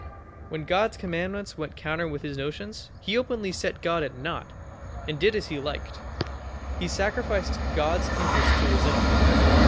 When God's commandments went counter with his notions, he openly set God at naught, and did as he liked. He sacrificed God's interests to his own.